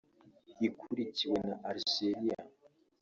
ikurikiwe na Algeria